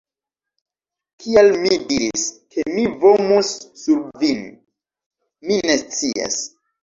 Kial mi diris, ke mi vomus sur vin... mi ne scias